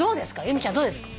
由美ちゃんどうですか？